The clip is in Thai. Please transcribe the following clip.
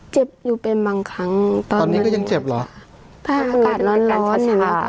เจ็บอยู่เป็นบางครั้งตอนนี้ก็ยังเจ็บเหรอถ้าอากาศร้อนร้อนใช่ไหมคะ